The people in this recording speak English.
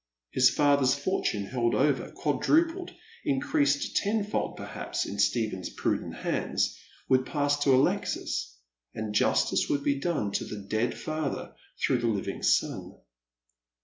His father's fortune held over, quadrupled, increased tenfold perliaps in Stephen's prudent hands, would pass to Alexis, and justice would be done to the dead father through the living son.